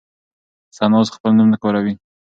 ثنا اوس خپل نوم نه کاروي.